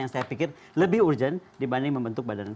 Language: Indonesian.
yang saya pikir lebih urgent dibanding membentuk badan